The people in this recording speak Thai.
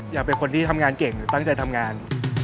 อยากเป็นคนที่ทำงานเก่งหรือตั้งใจทำงาน